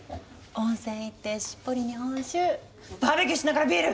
温泉行ってしっぽり日本酒バーベキューしながらビール！